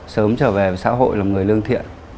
sớm trở về xã hội làm người lương thiện